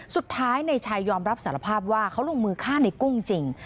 สุดท้ายในชายยอมรับสารภาพว่าเขาลงมือฆ่าในกุ้งจริง